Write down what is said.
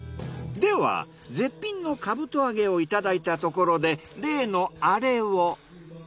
では絶品のかぶと揚げをいただいたところで例のアレを。